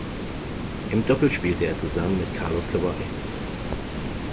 Im Doppel spielte er zusammen mit Carlos Kawai.